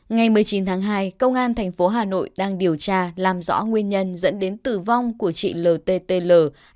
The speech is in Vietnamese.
ngày một mươi chín tháng hai công an thành phố hà nội đang điều tra làm rõ nguyên nhân dẫn đến tử vong của chị lttl